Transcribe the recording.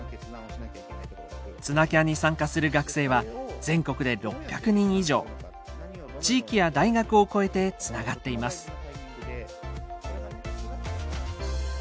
「つなキャン」に参加する学生は全国で地域や大学を超えてつながっています。